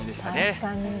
確かに。